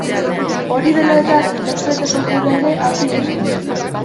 Hori dela eta, interprete kopurua ere hazi egin da.